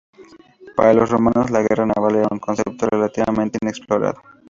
Para los romanos, la guerra naval era un concepto relativamente inexplorado.